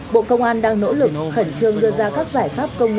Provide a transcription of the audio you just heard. bộ công an đang nỗ lực khẩn trương đưa ra các giải pháp công nghệ